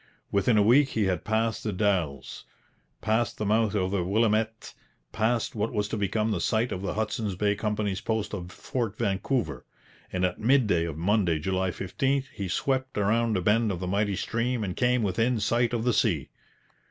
Within a week he had passed the Dalles, passed the mouth of the Willamette, passed what was to become the site of the Hudson's Bay Company's post of Fort Vancouver; and at midday of Monday, July 15, he swept round a bend of the mighty stream and came within sight of the sea.